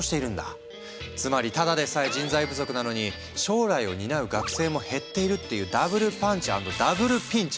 つまりただでさえ人材不足なのに将来を担う学生も減っているっていうダブルパンチ＆ダブルピンチ！